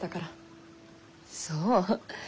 そう。